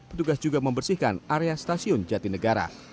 petugas juga membersihkan area stasiun jatinegara